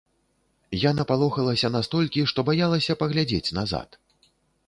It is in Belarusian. Я напалохалася настолькі, што баялася паглядзець назад.